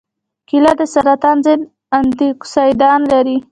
کېله د سرطان ضد انتياکسیدان لري.